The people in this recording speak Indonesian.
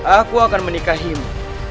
aku akan menikahimu